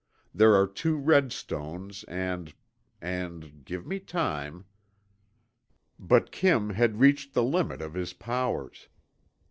There are two red stones, and and give me time.'" But Kim had reached the limit of his powers.